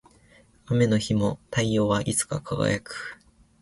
雨の日も太陽はいつか輝く